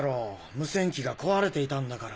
無線機が壊れていたんだから。